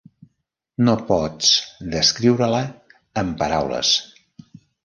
No pots descriure-la amb paraules.